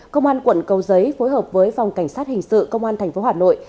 công an quận cầu giấy phối hợp với phòng cảnh sát hình sự công an tp hà nội